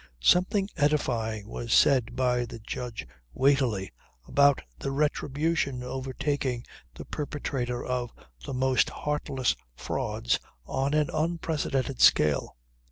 Something edifying was said by the judge weightily, about the retribution overtaking the perpetrator of "the most heartless frauds on an unprecedented scale."